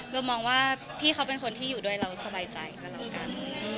มองว่าพี่เขาเป็นคนที่อยู่ด้วยเราสบายใจก็แล้วกัน